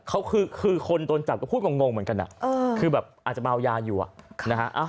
เขาคือคนโดนจับก็พูดงงเหมือนกันคือแบบอาจจะเมายาอยู่อ่ะนะฮะ